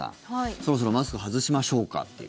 そろそろマスク外しましょうかという。